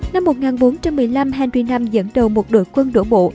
năm một nghìn bốn trăm một mươi năm henry v dẫn đầu một đội quân đổ bộ